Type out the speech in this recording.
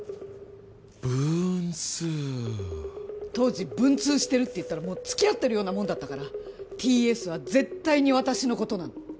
当時文通してるって言ったらもう付き合ってるようなもんだったからＴ・Ｓは絶対に私のことなの。